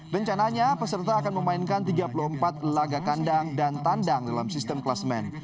rencananya peserta akan memainkan tiga puluh empat laga kandang dan tandang dalam sistem kelasmen